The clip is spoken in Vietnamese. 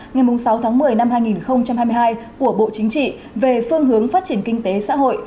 ngày sáu tháng một mươi năm hai nghìn hai mươi hai của bộ chính trị về phương hướng phát triển kinh tế xã hội